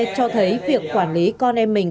cho thấy việc quản lý con em mình